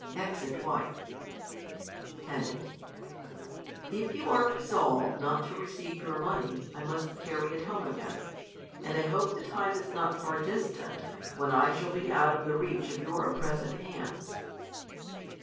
[Exit Wife. Ten. If you are resolved not to receive your money, I must carry it home again. And I hope the time is not far distant, when I shall be out of tlie reach of your oppressive hands.